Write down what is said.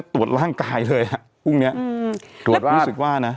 มันจะตรวจร่างกายเลยพรุ่งนี้รู้สึกว่านะ